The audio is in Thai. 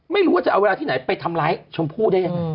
ไม่รู้จะเอาไว้ที่ไหนไปทำร้ายชมผู้